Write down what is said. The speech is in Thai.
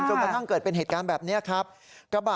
กระทั่งเกิดเป็นเหตุการณ์แบบนี้ครับ